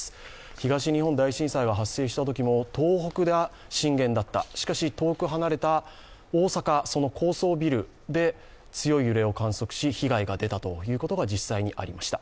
東日本大震災が発生したときも東北が震源だった、しかし遠く離れた大阪の高層ビルで強い揺れを観測し被害が出たということが実際にありました